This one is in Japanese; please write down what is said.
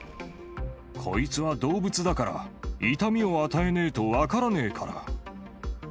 こいつは動物だから、痛みを与えねえと分からねえから。